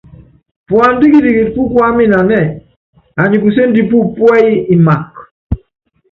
Puándá kitikiti púkuáminanɛ́ɛ, anyikuséndi pú púɛyi imaka.